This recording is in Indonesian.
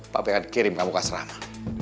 papi akan kirim kamu ke asrama